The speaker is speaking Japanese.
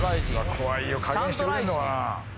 怖いよ加減してくれんのかな？